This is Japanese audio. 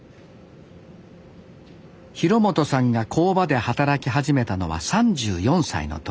廣本さんが工場で働き始めたのは３４歳の時。